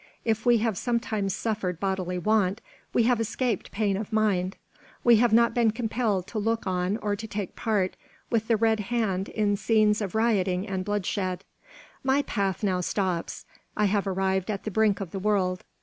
If we have sometimes suffered bodily want, we have escaped pain of mind. We have not been compelled to look on or to take a part with the red hand in scenes of rioting and bloodshed. My path now stops. I have arrived at the brink of the world.